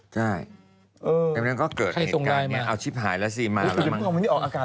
ใช่แต่มันก็เกิดในเหตุการณ์เนี่ยเอาชิบหายแล้วสิมาแล้วมั้งใครทรงรายมา